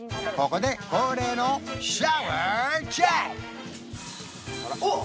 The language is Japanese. ここで恒例のおっ！